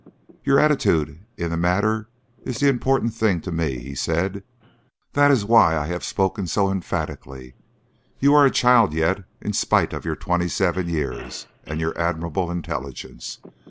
"Your attitude in the matter is the important thing to me," he said. "That is why I have spoken so emphatically. You are a child yet, in spite of your twenty seven years and your admirable intelligence.